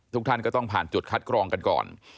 ท่านก็ต้องผ่านจุดคัดกรองกันก่อน